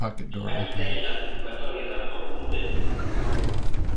Aquí teñen a convocatoria de Robert Moreno.